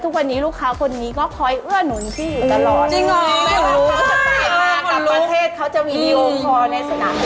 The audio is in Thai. ถ้ามาปุ๊บเขาก็มาเยี่ยม